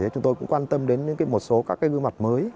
chúng tôi cũng quan tâm đến một số các gương mặt mới